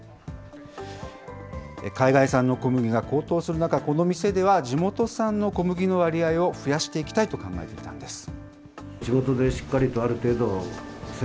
海外産の小麦が高騰する中、この店では地元産の小麦の割合を増やしていきたいと考えていたんです。